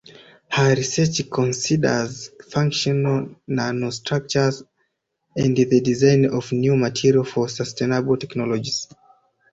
Her research considers functional nanostructures and the design of new materials for sustainable technologies.